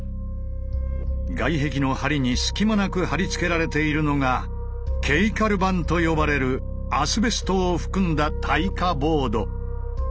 外壁の梁に隙間なく貼り付けられているのが「ケイカル板」と呼ばれるアスベストを含んだ耐火ボード。